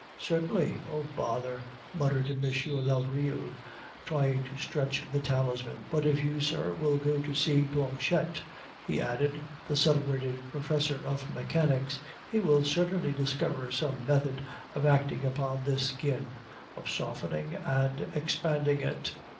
"Certainly oh, bother! " muttered M. Lavrille, trying to stretch the talisman. "But if you, sir, will go to see Planchette," he added, "the celebrated professor of mechanics, he will certainly discover some method of acting upon this skin, of softening and expanding it."